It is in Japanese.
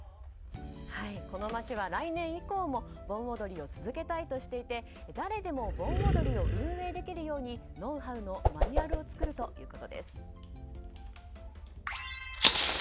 この街は来年以降も盆踊りを続けたいとしていて誰でも盆踊りを運営できるようにノウハウのマニュアルを作るということです。